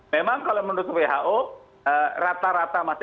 memang kalau menurut who rata rata masih